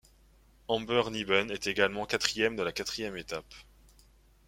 Amber Neben est également quatrième de la quatrième étape.